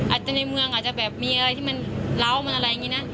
ในเมืองอาจจะแบบมีอะไรที่มันเล้ามันอะไรอย่างนี้นะ